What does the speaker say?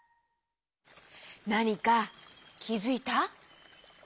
なにかきづいた？